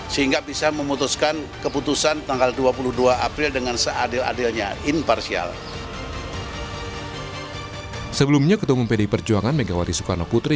sebelumnya ketumum pdi perjuangan megawati soekarno putri